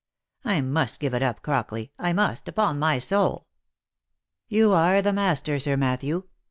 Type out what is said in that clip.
I must give it up, Crockley — I must, upon my soul." " You are the master, Sir Matthew.